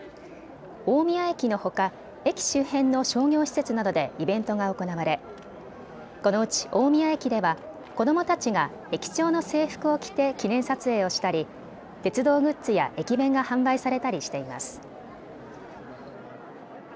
大宮駅のほか、駅周辺の商業施設などでイベントが行われこのうち大宮駅では子どもたちが駅長の制服を着て記念撮影をしたり鉄道グッズや駅弁が販売されたりしています。